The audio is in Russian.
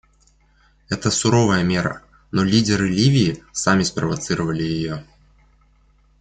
Это суровая мера, но лидеры Ливии сами спровоцировали ее.